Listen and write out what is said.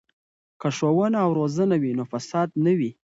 که ښوونه او روزنه وي نو فساد نه وي.